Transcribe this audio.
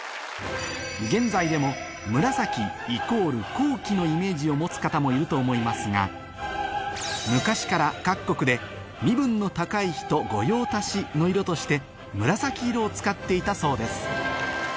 現在でもを持つ方もいると思いますが昔から各国で身分の高い人御用達の色として紫色を使っていたそうです